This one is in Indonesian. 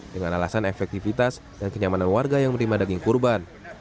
dengan alasan efektivitas dan kenyamanan warga yang menerima daging kurban